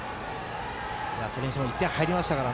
それにしても１点入りましたから。